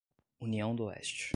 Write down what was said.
União do Oeste